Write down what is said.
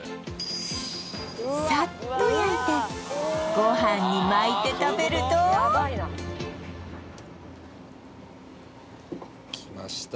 さっと焼いてご飯に巻いて食べるときました